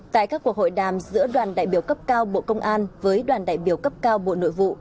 tại các cuộc hội đàm giữa đoàn đại biểu cấp cao bộ công an với đoàn đại biểu cấp cao bộ nội vụ